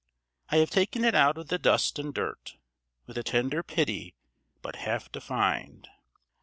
I have taken it out of the dust and dirt, With a tender pity but half defined.